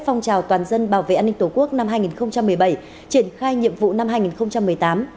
phong trào toàn dân bảo vệ an ninh tổ quốc năm hai nghìn một mươi bảy triển khai nhiệm vụ năm hai nghìn một mươi tám